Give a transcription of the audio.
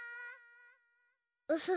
ウフフ。